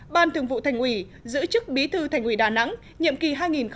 ban thường vụ thành ủy giữ chức bí thư thành ủy đà nẵng nhiệm kỳ hai nghìn một mươi năm hai nghìn hai mươi